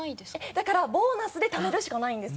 だからボーナスでためるしかないんです。